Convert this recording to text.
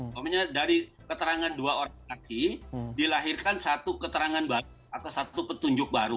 pokoknya dari keterangan dua orang saksi dilahirkan satu keterangan baru atau satu petunjuk baru